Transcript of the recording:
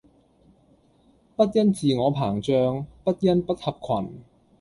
不因自我膨漲，不因不合群